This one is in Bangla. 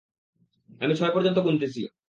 আমি ছয় পযন্ত গুনতেছি।